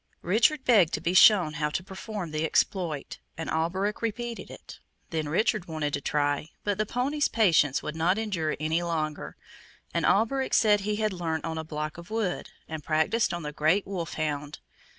Richard begged to be shown how to perform the exploit, and Alberic repeated it; then Richard wanted to try, but the pony's patience would not endure any longer, and Alberic said he had learnt on a block of wood, and practised on the great wolf hound.